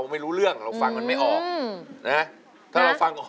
มอมอมอมอมอมอมอมอมอมอมอมอมอมอมอมอมอ